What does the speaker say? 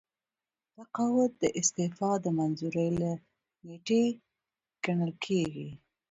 تقاعد د استعفا د منظورۍ له نیټې ګڼل کیږي.